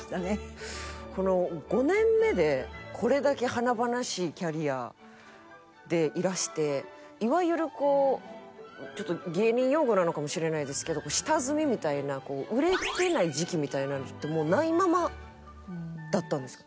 この５年目でこれだけ華々しいキャリアでいらしていわゆるこうちょっと芸人用語なのかもしれないですけど下積みみたいなこう売れてない時期みたいな時ってもうないままだったんですか？